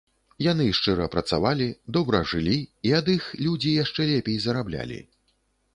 Яны шчыра працавалі, добра жылі і ад іх людзі яшчэ лепей зараблялі.